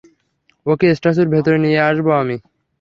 ওকে স্ট্যাচুর ভেতরে নিয়ে আসবো আমি।